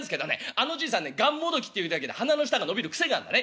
あのじいさんね『がんもどき』って言うだけで鼻の下が伸びる癖があるんだね。